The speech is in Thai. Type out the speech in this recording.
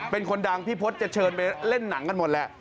เป็นคนดังพี่พศจะเชิญไปเล่นหนังกันหมดแหละ